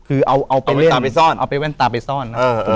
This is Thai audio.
เอาแว่นตาไปซ่อน